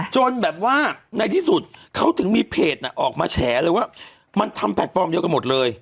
จนแบบว่าในที่สุดเขาถึงมีเพจออกมาแฉเลยว่ามันทำแพลตฟอร์มเดียวกันหมดเลย